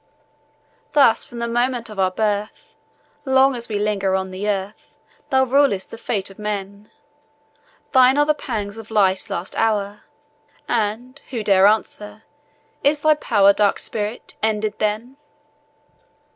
Thus, from the moment of our birth, Long as we linger on the earth, Thou rulest the fate of men; Thine are the pangs of life's last hour, And who dare answer? is thy power, Dark Spirit! ended THEN?